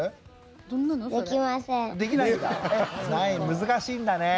難しいんだね。